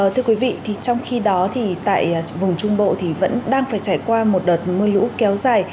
thưa quý vị trong khi đó thì tại vùng trung bộ thì vẫn đang phải trải qua một đợt mưa lũ kéo dài